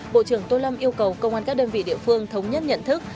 bộ trưởng tô lâm yêu cầu công an các đơn vị địa phương thống nhất nhận thức